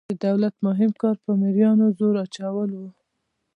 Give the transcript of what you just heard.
د دولت مهم کار په مرئیانو زور اچول وو.